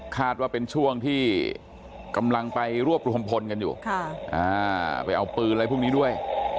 ว่าเป็นช่วงที่กำลังไปรวบรวมพลกันอยู่ไปเอาปืนอะไรพวกนี้ด้วย